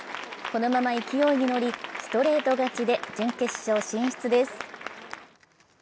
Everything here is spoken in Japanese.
このまま勢いに乗り、ストレート勝ちで準決勝進出です。